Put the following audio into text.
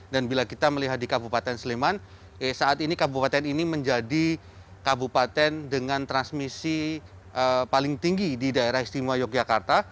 dan bila kita melihat di kabupaten sleman saat ini kabupaten ini menjadi kabupaten dengan transmisi paling tinggi di daerah istimewa yogyakarta